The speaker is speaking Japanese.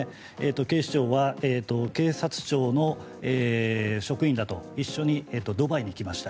警視庁は警察庁の職員らと一緒にドバイに行きました。